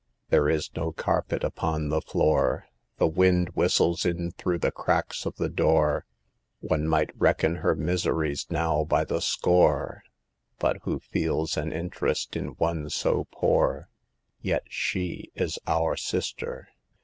There is no carpet upon the floor, The wind whistles in through the cracks of the door ; One might reckon her miseries now by the score t But who feels an interest in one so poor f Yet she is our Sister